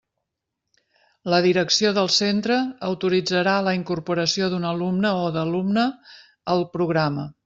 La direcció del centre autoritzarà la incorporació d'un alumne o d'alumna al programa.